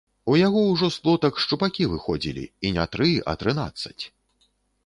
У яго ўжо з плотак шчупакі выходзілі, і не тры, а трынаццаць.